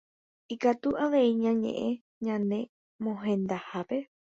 Ikatu avei ñañe'ẽ ñane mohendahápe